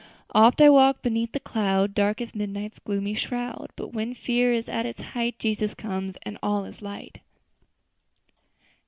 "'Oft I walk beneath the cloud, Dark as midnight's gloomy shroud; But when fear is at the height, Jesus comes, and all is light.'"